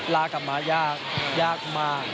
ลากลับมายากยากมาก